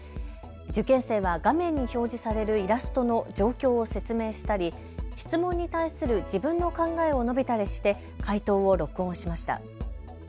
受験生は画面に表示されるイラストの状況を説明したり質問に対する自分の考えを述べたりして解答を録音しました。